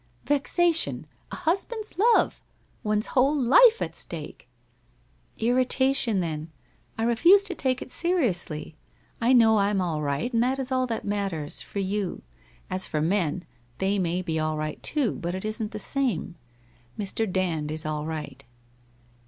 ' Vexation! A husband's love! One's whole life at stake !'* Irritation, then. I refuse to take it seriously. I know I'm all right, and that is all that matters — for you. As for men, they may be all right, too, but it isn't the same. Mr. Dand is all right.'